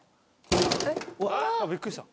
うわびっくりした。